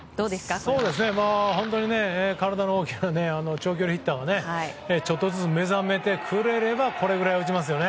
本当に体の大きな長距離ヒッターはちょっとずつ目覚めてくれればこれぐらい打ちますよね。